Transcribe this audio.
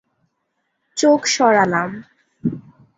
চোখ সরালাম।